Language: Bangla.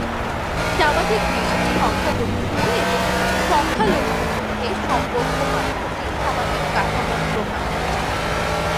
সামাজিক নিয়ম সংখ্যাগরিষ্ঠ এবং সংখ্যালঘু মধ্যে সম্পর্ক মাধ্যমে সামাজিক কাঠামো প্রভাবিত।